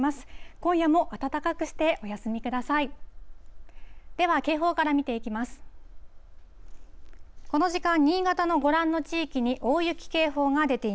今夜も暖かくしてお休みください。